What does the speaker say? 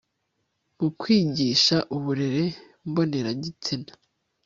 mu kwigisha uburere mbonera gitsina